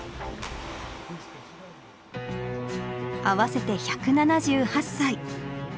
合わせて１７８歳。